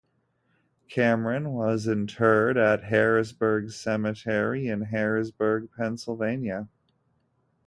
Cameron was interred at Harrisburg Cemetery in Harrisburg, Pennsylvania.